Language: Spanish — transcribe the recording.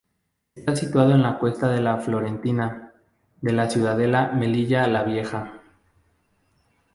Está situado en la cuesta de la Florentina, de la ciudadela Melilla La Vieja.